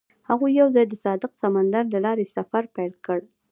هغوی یوځای د صادق سمندر له لارې سفر پیل کړ.